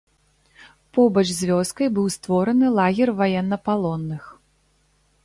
Побач з вёскай быў створаны лагер ваеннапалонных.